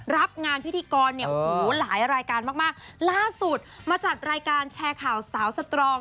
รับงานพิธีกรเนี่ยโอ้โหหลายรายการมากมากล่าสุดมาจัดรายการแชร์ข่าวสาวสตรอง